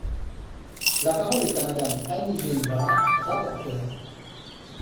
La parole est à Madame Annie Genevard, rapporteure.